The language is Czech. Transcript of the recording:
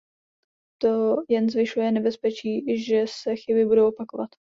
To jen zvyšuje nebezpečí, že se chyby budou opakovat.